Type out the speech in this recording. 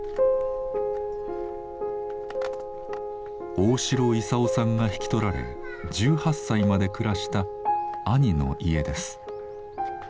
大城勲さんが引き取られ１８歳まで暮らした兄の家です。